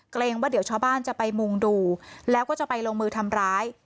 เกรงว่าเดี๋ยวชาวบ้านจะไปมุงดูแล้วก็จะไปลงมือทำร้าย